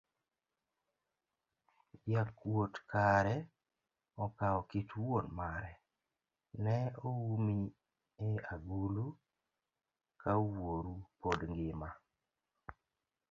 Jakuot kare okawo kit wuon mare ne oumi e agulu, ka wuoru pod ngima